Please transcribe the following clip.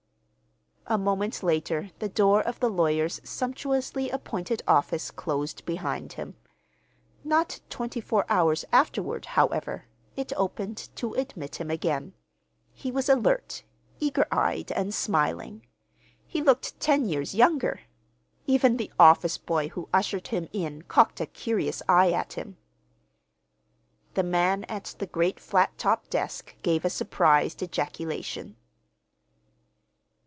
A moment later the door of the lawyer's sumptuously appointed office closed behind him. Not twenty four hours afterward, however, it opened to admit him again. He was alert, eager eyed, and smiling. He looked ten years younger. Even the office boy who ushered him in cocked a curious eye at him. The man at the great flat topped desk gave a surprised ejaculation.